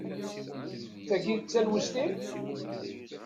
Tagi, d talwest-im?